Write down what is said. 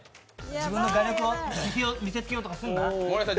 自分の画力を見せつけようとすんな。